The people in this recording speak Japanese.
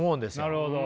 なるほど。